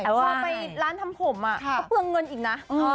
พอไปร้านทำผมก็เปลืองเงินอีกนะ